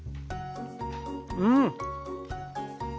うん！